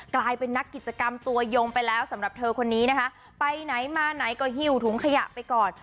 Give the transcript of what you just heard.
กลายเป็นนักกิจกรรมตัวยงไปแล้วสำหรับเธอคนนี้นะคะไปไหนมาไหนก็หิวถุงขยะไปก่อน